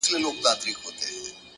هره لحظه د انتخاب فرصت دی,